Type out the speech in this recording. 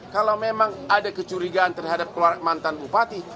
kalau memang ada kecurigaan terhadap mantan bupati